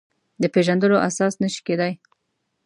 د پېژندلو اساس نه شي کېدای.